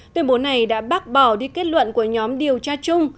tuyên bố này đã bác bỏ đi kết luận của nhóm điều tra chung